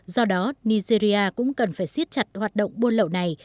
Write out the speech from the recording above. do đó nigeria cũng cần phải siết chặt hoạt động buôn lậu này